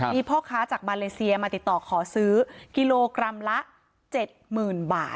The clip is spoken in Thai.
มีพ่อค้าจากมาเลเซียมาติดต่อขอซื้อกิโลกรัมละ๗๐๐๐บาท